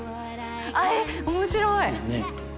あっ面白い！